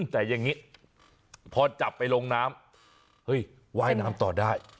แต่อย่างนี้พอจับไปลงน้ำเฮ้ยว่ายน้ำต่อได้